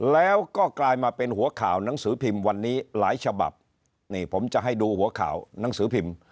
แล้วก็กลายมาเป็นหัวข่าวหนังสือพิมพ์วันนี้หลายฉบับนี่ผมจะให้ดูหัวข่าวหนังสือพิมพ์